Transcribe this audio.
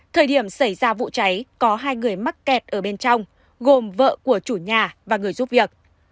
thời điểm xảy ra vụ cháy có hai người mắc kẹt ở bên trong gồm vợ của chủ nhà và người giúp việc